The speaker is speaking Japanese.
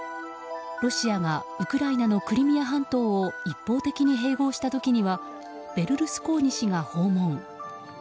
ロシアがウクライナのクリミア半島を一方的に併合した時にはベルルスコーニ氏が訪問。